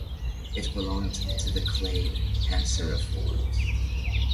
It belonged to the clade Anseriformes.